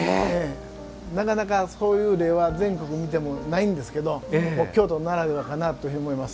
なかなかそういう例は全国見てもないんですけど京都ならではかなと思います。